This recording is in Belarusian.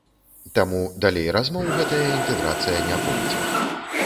Таму далей размоў гэтая інтэграцыя не пойдзе.